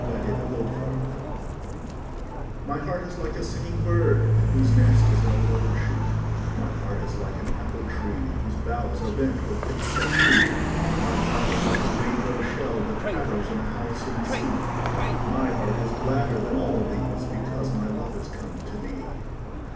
A Birthday MY heart is like a singing bird Whose nest is in a water'd shoot; My heart is like an apple tree Whose boughs are bent with thick set fruit; My heart is like a rainbow shell 5 That paddles in a halcyon sea; My heart is gladder than all these, Because my love is come to me.